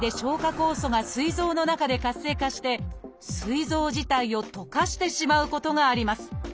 酵素がすい臓の中で活性化してすい臓自体を溶かしてしまうことがあります。